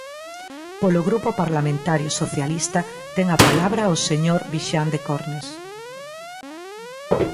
Polo Grupo Parlamentario Socialista ten a palabra o señor Vixande Cornes.